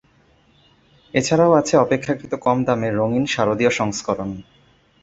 এছাড়াও আছে অপেক্ষাকৃত কম দামে রঙিন শারদীয় সংস্করণ।